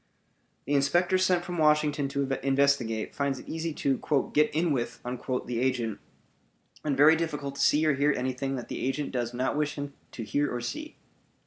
The inspector sent from Washington to investigate finds it easy to "get in with" the agent and very difficult to see or hear anything that the agent does not wish him to hear or see.